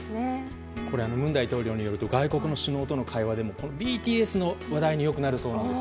文大統領によると外国の首脳との会話でもＢＴＳの話題によくなるそうなんです。